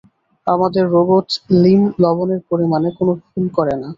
আমাদের রোবট লীম লবণের পরিমাণে কোনো ভুল করে না।